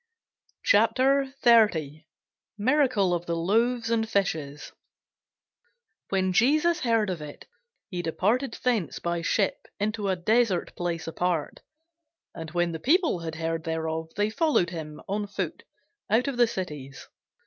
CHAPTER 30 MIRACLE OF THE LOAVES AND FISHES [Sidenote: St. Mark 6] WHEN Jesus heard of it, he departed thence by ship into a desert place apart: and when the people had heard thereof, they followed him on foot out of the cities.